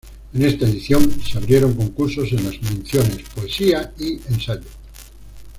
En esta edición, se abrieron concursos en las Menciones Poesía y Ensayo.